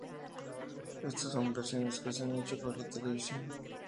Estas son las versiones que se han hecho para la Televisión.